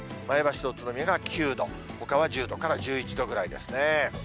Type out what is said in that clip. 前橋と宇都宮が９度、ほかは１０度から１１度ぐらいですね。